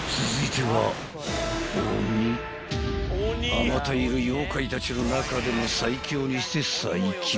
［あまたいる妖怪たちの中でも最強にして最凶］